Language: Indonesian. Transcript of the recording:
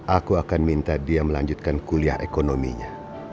aku akan minta dia melanjutkan kuliah ekonominya